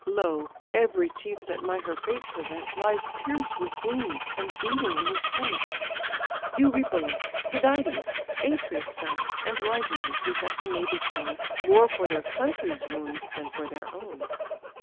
Lo! every chief that might her fate prevent, Lies pierced with wounds, and bleeding in his tent: Eurypylus, Tydides, Atreus' son, And wise Ulysses, at the navy groan, More for their country's wounds than for their own.